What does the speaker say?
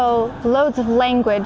saya belajar arab dan inggris